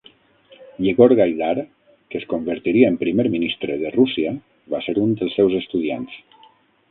Yegor Gaidar, que es convertiria en primer ministre de Rússia, va ser un dels seus estudiants.